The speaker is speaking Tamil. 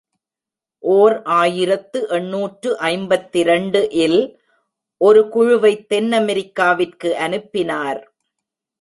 ஓர் ஆயிரத்து எண்ணூற்று ஐம்பத்திரண்டு இல் ஒரு குழுவைத் தென்னமெரிக்காவிற்கு அனுப்பினார்.